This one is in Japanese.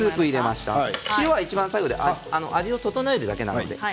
塩はいちばん最後味を調えるだけなので。